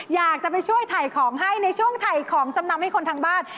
อยากจะไปช่วยถ่ายของให้ในช่วงถ่ายของจำนำให้คนทางบ้าน